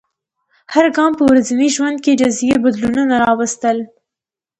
هر ګام په ورځني ژوند کې جزیي بدلونونه راوستل.